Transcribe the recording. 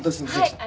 はい。